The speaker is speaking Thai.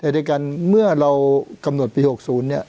ใดกันเมื่อเรากำหนดปี๖๐